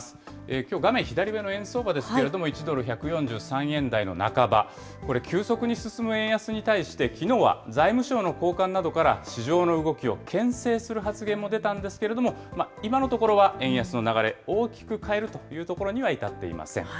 きょう、画面左上の円相場ですけれども、１ドル１４３円台の半ば、これ、急速に進む円安に対して、きのうは財務省の高官などから市場の動きをけん制する発言も出たんですけれども、今のところは円安の流れ、大きく変えるというところには至っていません。